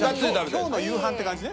今日の夕飯って感じね。